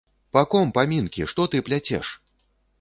Па ком памінкі, што ты пляцеш?